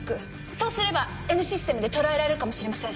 そうすればＮシステムで捉えられるかもしれません。